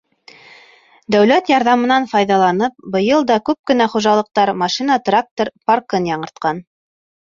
Дәүләт ярҙамынан файҙаланып, быйыл да күп кенә хужалыҡтар машина-трактор паркын яңыртҡан.